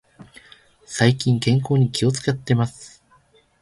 最近、健康に気を使っています。